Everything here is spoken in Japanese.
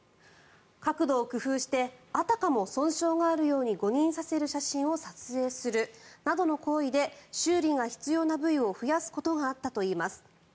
角度を工夫してあたかも損傷があるように誤認させる写真を撮影するなどの行為で修理が必要な部位を増やすことがあったといいます。